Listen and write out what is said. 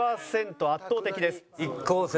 圧倒的です。